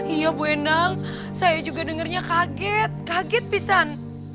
iya bu endang saya juga dengarnya kaget kaget pisan